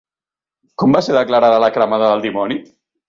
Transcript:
Com va ser declarada la Cremada del Dimoni?